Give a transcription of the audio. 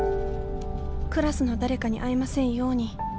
クラスの誰かに会いませんように。